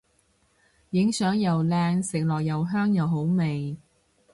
影相又靚食落又香又好味